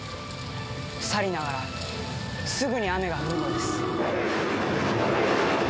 さりながらすぐに雨が降るのです。